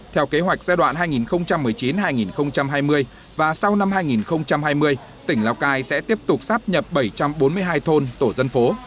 theo kế hoạch giai đoạn hai nghìn một mươi chín hai nghìn hai mươi và sau năm hai nghìn hai mươi tỉnh lào cai sẽ tiếp tục sắp nhập bảy trăm bốn mươi hai thôn tổ dân phố